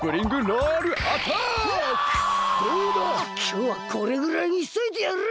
きょうはこれぐらいにしといてやる！